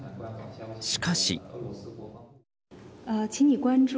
しかし。